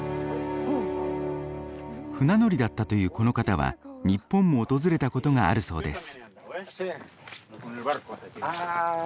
船乗りだったというこの方は日本も訪れたことがあるそうです。